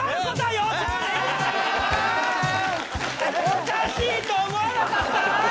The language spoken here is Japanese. おかしいと思わなかった？